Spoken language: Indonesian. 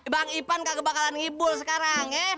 bang ipan kagak bakalan ngibul sekarang ya